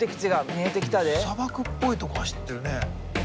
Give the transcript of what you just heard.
砂漠っぽいところ走ってるね。